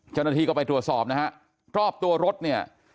เจ้าหน้าที่ก็ไปตรวจสอบนะฮะรอบตัวรถเนี่ย